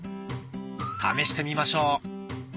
試してみましょう。